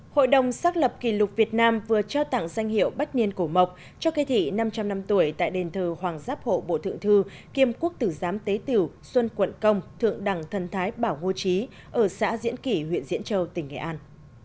hội đồng xác lập kỷ lục việt nam vừa trao tặng danh hiệu bách niên cổ mộc cho cây thị năm trăm linh năm tuổi tại đền thờ hoàng giáp hộ bộ thượng thư kiêm quốc tử giám tế tiểu xuân quận công thượng đẳng thân thái bảo ngô trí ở xã diễn kỷ huyện diễn châu tỉnh nghệ an